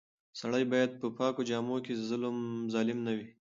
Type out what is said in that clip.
سړی باید په پاکو جامو کې ظالم نه وای.